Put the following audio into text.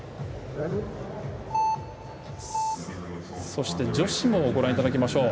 そして、女子もご覧いただきましょう。